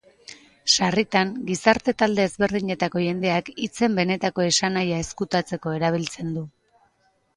Sarritan, gizarte-talde ezberdinetako jendeak, hitzen benetako esanahia ezkutatzeko erabiltzen du.